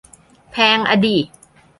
แพงอ่ะดิ